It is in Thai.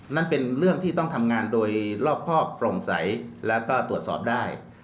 นั่นเป็นเรื่องที่ต้องทำงานโดยรอบครอบโปร่งใสแล้วก็ตรวจสอบได้